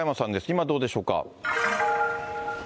今どうでしょうか。